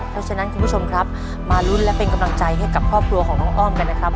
เพราะฉะนั้นคุณผู้ชมครับมาลุ้นและเป็นกำลังใจให้กับครอบครัวของน้องอ้อมกันนะครับ